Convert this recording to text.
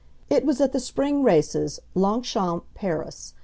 It was at the Spring races, Longchamps, Paris.